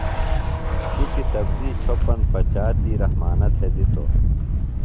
شُکیۡ سبزی چھوپن پچا تی رحمانہ تھےۡ دِتوۡ۔